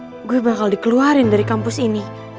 jangan jangan gue bakal dikeluarin dari kampus ini